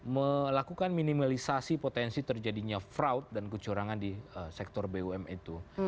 melakukan minimalisasi potensi terjadinya fraud dan kecurangan di sektor bum itu